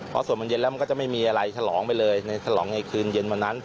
พอสวดมันเย็นแล้วมันก็จะไม่มีอะไรฉลองไปเลยในฉลองในคืนเย็นวันนั้น